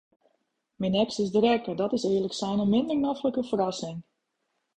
Myn eks is der ek en dat is earlik sein in minder noflike ferrassing.